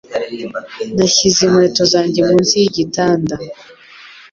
Nashyize inkweto zanjye munsi yigitanda.